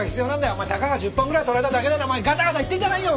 お前たかが１０本ぐらい取られただけでねガタガタ言ってんじゃないよ